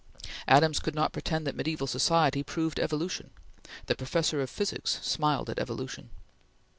Adams could not pretend that mediaeval society proved evolution; the Professor of Physics smiled at evolution.